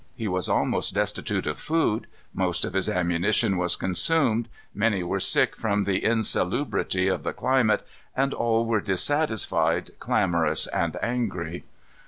He was almost destitute of food; most of his ammunition was consumed; many were sick from the insalubrity of the climate, and all were dissatisfied, clamorous, and angry.